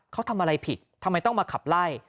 เขาทำอะไรผิดทำไมต้องมาขับไล่